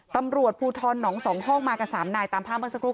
ตำรวจภูทรหนองสองห้องมากันสามนายตามผ้ามภาพสักครู่